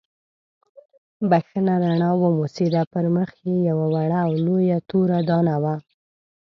بښنه رڼا وموسېده، پر مخ یې یوه وړه او لویه توره دانه وه.